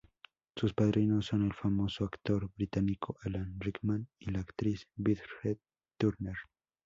Sus padrinos son el famoso actor británico Alan Rickman y la actriz Bridget Turner.